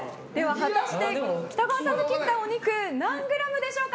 果たして、北川さんの切ったお肉何グラムでしょうか。